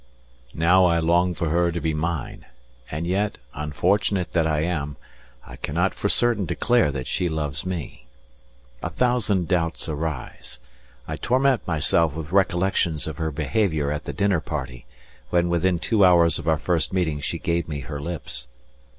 How I long for her to be mine, and yet, unfortunate that I am, I cannot for certain declare that she loves me. A thousand doubts arise. I torment myself with recollections of her behaviour at the dinner party, when within two hours of our first meeting she gave me her lips.